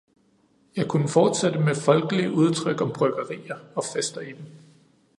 Jeg kunne fortsætte med folkelige udtryk om bryggerier og fester i dem.